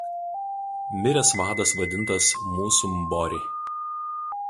Miręs vadas vadintas „mūsų Mbori“.